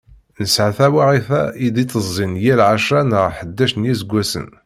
Nesεa tawaɣit-a i d-itezzin yal ɛecṛa neɣ ḥdac n yiseggasen.